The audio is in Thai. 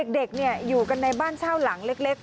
เด็กอยู่กันในบ้านเช่าหลังเล็ก